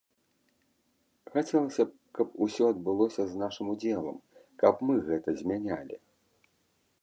Хацелася б, каб усё адбылося з нашым удзелам, каб мы гэта змянялі.